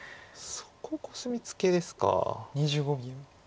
そこコスミツケですか。